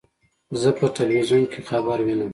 زه په ټلویزیون کې خبر وینم.